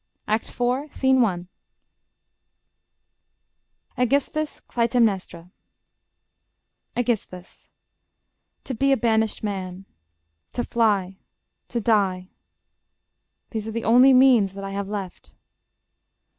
] ACT IV SCENE I AEGISTHUS CLYTEMNESTRA Aegisthus To be a banished man, ... to fly, ... to die: ... These are the only means that I have left.